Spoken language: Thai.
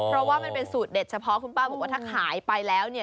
เพราะว่ามันเป็นสูตรเด็ดเฉพาะคุณป้าบอกว่าถ้าขายไปแล้วเนี่ย